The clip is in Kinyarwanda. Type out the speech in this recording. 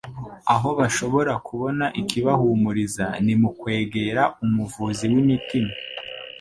Aho bashobora kubona ikibahumuriza ni mu kwegera Umuvuzi w'imitima.